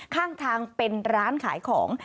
ข้างทางเป็นร้านขายของ